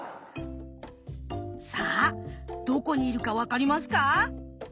さあどこにいるか分かりますか。